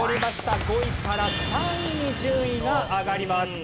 ５位から３位に順位が上がります。